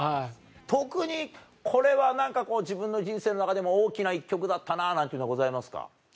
特にこれは何か自分の人生の中でも大きな１曲だったななんていうのはございますか？